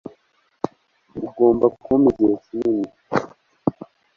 Ugomba kumpa igihe kinini